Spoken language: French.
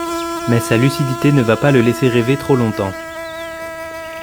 Ma sa lucidité ne va pas le laisser rêver trop longtemps.